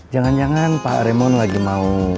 jangan jangan pak arimon lagi mau